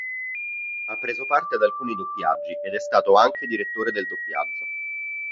Ha preso parte ad alcuni doppiaggi ed è stato anche direttore del doppiaggio.